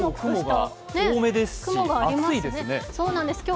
結構雲が多めですし厚いですね。